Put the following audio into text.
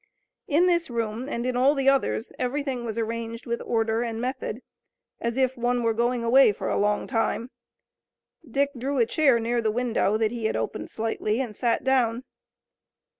In this room and in all the others everything was arranged with order and method, as if one were going away for a long time. Dick drew a chair near the window, that he had opened slightly, and sat down.